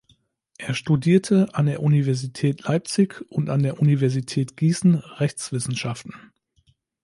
Er studierte an der Universität Leipzig und an der Universität Gießen Rechtswissenschaften.